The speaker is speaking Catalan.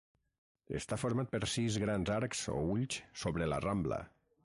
Està format per sis grans arcs o ulls sobre la rambla.